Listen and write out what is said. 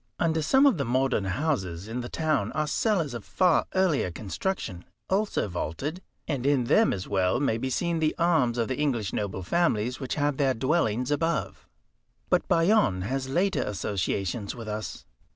Under some of the modern houses in the town are cellars of far earlier construction, also vaulted, and in them as well may be seen the arms of the English noble families which had their dwellings above. But Bayonne has later associations with us.